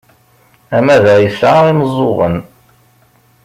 Amadaɣ yesɛa imeẓẓuɣen!